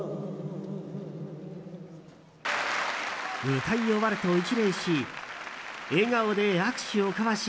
歌い終わると一礼し笑顔で握手を交わし